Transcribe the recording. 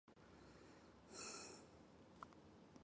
弗朗赛人口变化图示